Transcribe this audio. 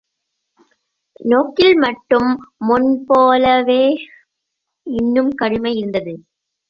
நோக்கில் மட்டும் முன்போலவே இன்னும் கடுமை இருந்தது.